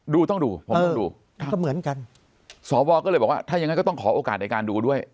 ดูต้องดูผมต้องดูก็เหมือนกันสวก็เลยบอกว่าถ้าอย่างนั้นก็ต้องขอโอกาสในการดูด้วย